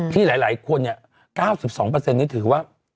ที่หลายคน๙๒นี่ถือว่า